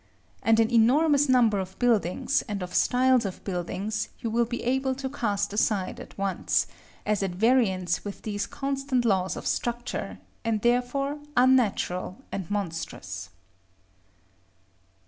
And an enormous number of buildings, and of styles of buildings, you will be able to cast aside at once, as at variance with these constant laws of structure, and therefore unnatural and monstrous.